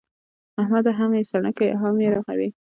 احمده! هم يې سڼکې او هم يې رغوې.